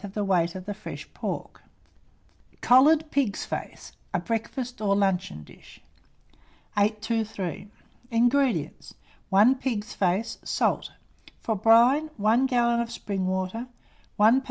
on the weight of the fresh pork. COLLARED PIG'S FACE (a Breakfast or Luncheon Dish). 823. INGREDIENTS. 1 pig's face; salt. For brine, 1 gallon of spring water, 1 lb.